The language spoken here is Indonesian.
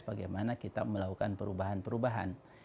bagaimana kita melakukan perubahan perubahan